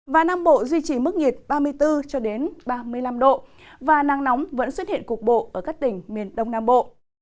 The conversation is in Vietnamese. và nam bộ duy trì mức nhiệt ba mươi bốn ba mươi năm độ và nắng nóng vẫn xuất hiện cục bộ ở các tỉnh miền đông nam bộ